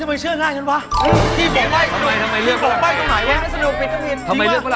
ทำไมเลือกฝรั่งเศรษฐ์